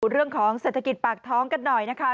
เรื่องของเศรษฐกิจปากท้องกันหน่อยนะคะ